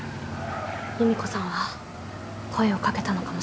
由美子さんは声を掛けたのかもしれない。